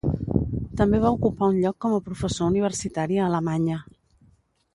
També va ocupar un lloc com a professor universitari a Alemanya.